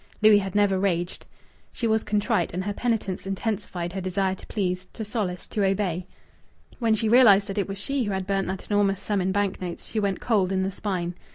Louis had never raged. She was contrite, and her penitence intensified her desire to please, to solace, to obey. When she realized that it was she who had burnt that enormous sum in bank notes, she went cold in the spine.